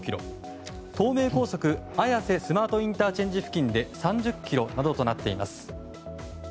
東名高速綾瀬スマートＩＣ付近で３０ｋｍなどとなっています。